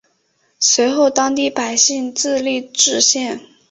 随后当地百姓自立冶县。